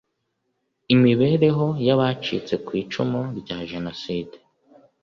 imibereho y abacitse ku icumu rya jenoside